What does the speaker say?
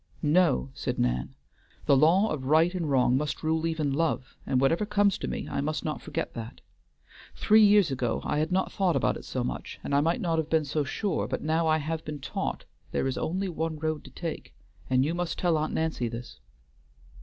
"No," said Nan. "The law of right and wrong must rule even love, and whatever comes to me, I must not forget that. Three years ago I had not thought about it so much, and I might not have been so sure; but now I have been taught there is only one road to take. And you must tell Aunt Nancy this."